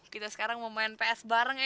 kita sekarang mau main ps bareng ya